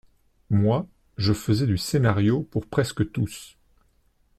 Moi, je faisais du scénario pour presque tous.